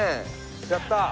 やったー！